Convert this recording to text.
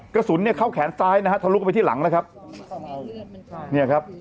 กระสุนเนี่ยเข้าแขนซ้ายนะฮะทะลุเข้าไปที่หลังนะครับเนี่ยครับ